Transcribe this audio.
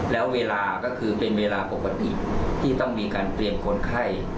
แล้วเวลาก็คือเป็นเวลาปกติที่ต้องมีการเตรียมคนไข้